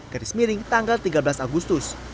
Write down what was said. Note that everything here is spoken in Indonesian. garis miring tanggal tiga belas agustus